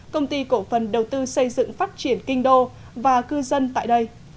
công ty cổ phần đầu tư xây dựng phát triển kinh đô và cư dân tại đây